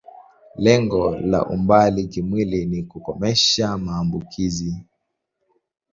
Lengo la umbali kimwili ni kukomesha maambukizo.